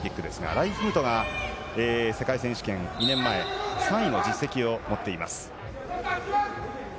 ライヒムトが世界選手権２年前、３位の実績を持っています。